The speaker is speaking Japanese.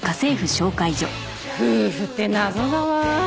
夫婦って謎だわ。